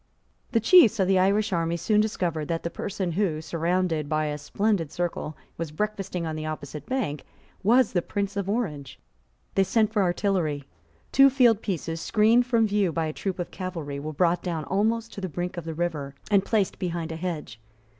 The chiefs of the Irish army soon discovered that the person who, surrounded by a splendid circle, was breakfasting on the opposite bank, was the Prince of Orange. They sent for artillery. Two field pieces, screened from view by a troop of cavalry, were brought down almost to the brink of the river, and placed behind a hedge.